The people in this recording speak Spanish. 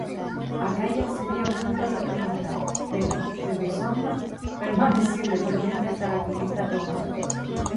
Acaya sería pronto reconquistada, pero Trebisonda permaneció independiente hasta la conquista otomana.